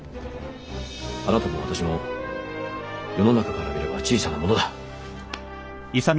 あなたも私も世の中から見れば小さなものだ。